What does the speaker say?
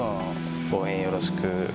応援よろしく。